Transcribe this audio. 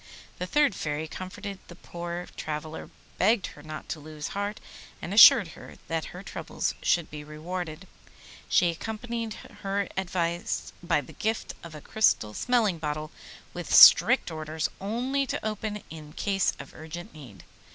The third Fairy comforted the poor traveller, begged her not to lose heart, and assured her that her troubles should be rewarded. She accompanied her advice by the gift of a crystal smelling bottle, with strict orders only to open it in case of urgent need.